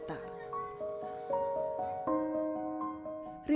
di daerahnya aidi memiliki kekuatan yang sangat menarik